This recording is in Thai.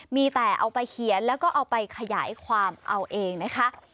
มีแต่เอาไปเขียนแล้วก็เอาไปขยายความเอาเองนะคะ